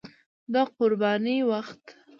د قربانۍ وخت